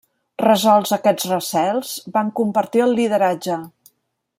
Resolts aquests recels, van compartir el lideratge.